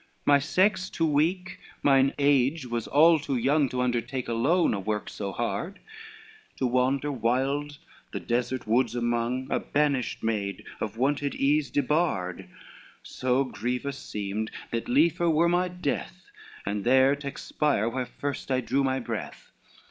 My sex too weak, mine age was all to young, To undertake alone a work so hard, To wander wild the desert woods among, A banished maid, of wonted ease debarred, So grievous seemed, that liefer were my death, And there to expire where first I drew my breath.